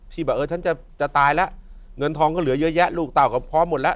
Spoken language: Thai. แบบเออฉันจะตายแล้วเงินทองก็เหลือเยอะแยะลูกเต่าก็พร้อมหมดแล้ว